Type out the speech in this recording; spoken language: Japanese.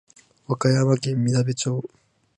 和歌山県みなべ町